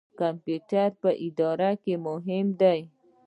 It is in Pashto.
کمپیوټر په اداره کې مهم دی